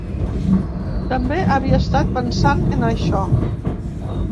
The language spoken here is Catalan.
També havia estat pensant en això.